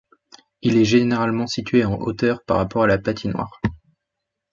Il est généralement situé en hauteur par rapport à la patinoire.